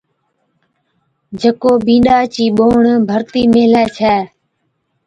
جڪو بِينڏا چِي ٻوھڻ ڀرتِي ميلھي ڇَي